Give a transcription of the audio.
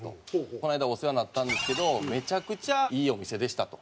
この間お世話になったんですけどめちゃくちゃいいお店でしたと。